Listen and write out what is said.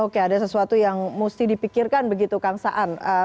oke ada sesuatu yang mesti dipikirkan begitu kang saan